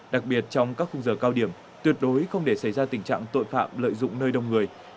đặc biệt trong các khung giờ cao điểm tuyệt đối không để xảy ra tình trạng tội phạm lợi dụng nơi đông người